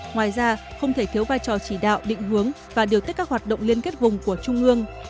ngoài ra không thể thiếu vai trò chỉ đạo định hướng và điều tích các hoạt động liên kết vùng của trung ương